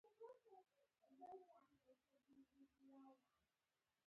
چې زاړۀ پوسټونه يا ويډيوګانې اوګوري -